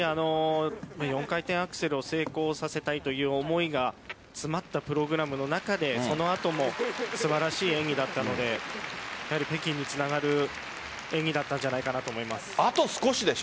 ４回転アクセルを成功させたいという思いが詰まったプログラムの中でその後も素晴らしい演技だったのでやはり北京につながる演技だったんじゃないかあと少しでしょ